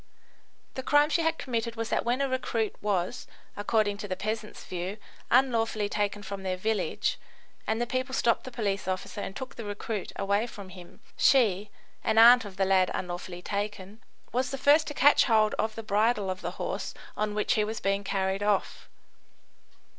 The crime she had committed was that when a recruit was, according to the peasants' view, unlawfully taken from their village, and the people stopped the police officer and took the recruit away from him, she (an aunt of the lad unlawfully taken) was the first to catch hold of the bridle of the horse on which he was being carried off.